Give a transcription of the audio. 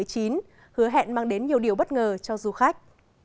hứa hẹn mang đến nhiều điều bất ngờ cho du khách